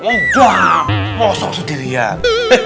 udah masa sendirian